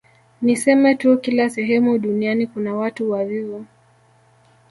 Niseme tu kila sehemu duniani kuna watu wavivu